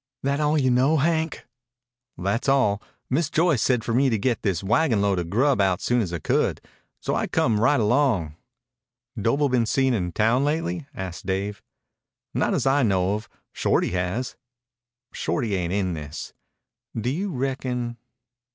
"That all you know, Hank?" "That's all. Miss Joyce said for me to get this wagonload of grub out soon as I could. So I come right along." "Doble been seen in town lately?" asked Dave. "Not as I know of. Shorty has." "Shorty ain't in this." "Do you reckon